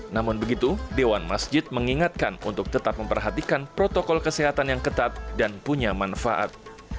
namun begitu dewan masjid mengingatkan untuk tetap memperhatikan protokol kesehatan yang ketat dan punya manfaat